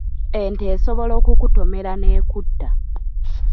Ente esobola okukutomera n’ekutta.